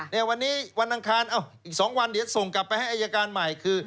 ในวันนี้อีกอีก๒อันจะส่งไปอัยการใหม่